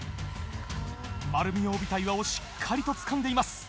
丸みを帯びた岩をしっかりとつかんでいます。